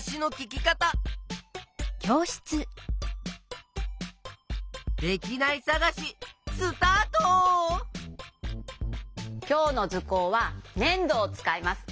きょうのずこうはねんどをつかいます。